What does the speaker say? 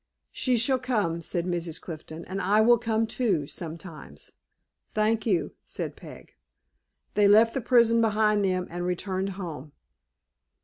"She shall come," said Mrs. Clifton, "and I will come too, sometimes." "Thank you," said Peg. They left the prison behind them, and returned home.